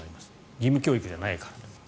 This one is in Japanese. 義務教育じゃないから。